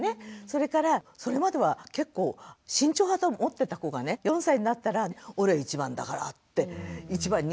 それからそれまでは結構慎重派だと思ってた子がね４歳になったら「俺１番だから」って１番に命かけたりね。